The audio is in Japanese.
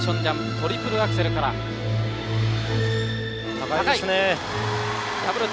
トリプルアクセルです。